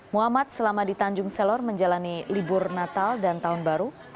muhammad selama di tanjung selor menjalani libur natal dan tahun baru